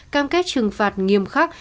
cam kết trừng phạt nghiêm khắc